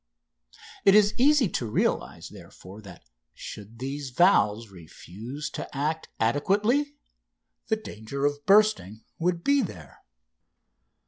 It is easy to realise, therefore, that should these valves refuse to act adequately the danger of bursting would be there.